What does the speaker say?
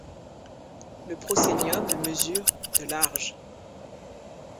Le proscenium mesure de large.